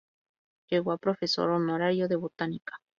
Llegó a profesor honorario de botánica.